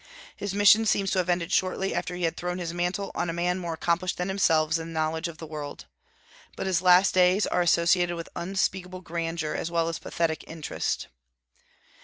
His mission seems to have ended shortly after he had thrown his mantle on a man more accomplished than himself in knowledge of the world. But his last days are associated with unspeakable grandeur as well as pathetic interest.